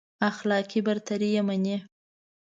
اخلاقي برتري يې مني.